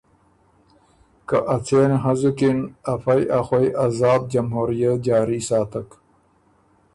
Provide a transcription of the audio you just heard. که اڅېن هنزُکِن افئ ا خوئ آزاد جمهوریه جاري ساتک